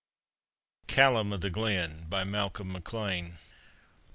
— CALLUM o' THE GLEN. BY MALCOLM MACLEAN.